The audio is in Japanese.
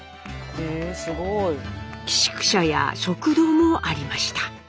すごい！寄宿舎や食堂もありました。